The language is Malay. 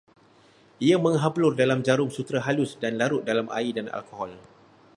Ia menghablur dalam jarum sutera halus dan larut dalam air dan alkohol